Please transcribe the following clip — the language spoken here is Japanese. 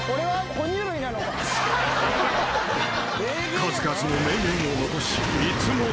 ［数々の名言を残し］